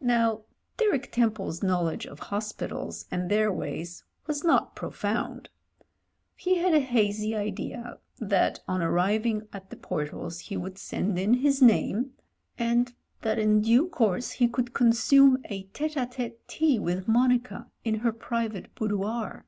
Now, Derek Temple's knowledge of hospitals and their ways was not profound. He had a hazy idea that on arriving at the portals he would send in his name, and that in due course he could consume a tete a tete tea with Monica in her private boudoir.